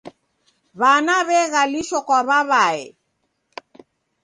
W'ana w'egalishwa kwa w'aw'ae.